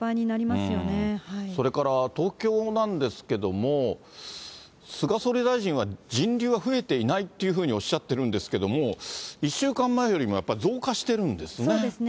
それから東京なんですけれども、菅総理大臣は、人流は増えていないっていうふうにおっしゃってるんですけども、１週間前よりもやっぱり増加してるんですね。